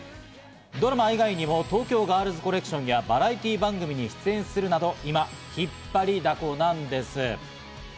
ドラマ以外にも東京ガールズコレクションやバラエティー番組に出演するなど今、引っ張りだこなんです。